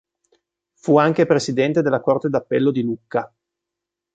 Fu anche presidente della Corte d'appello di Lucca.